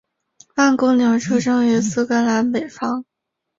万姑娘出生于苏格兰北方。